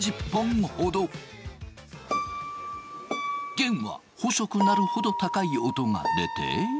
弦は細くなるほど高い音が出て。